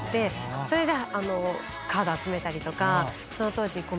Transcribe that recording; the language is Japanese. それでカード集めたりとかその当時。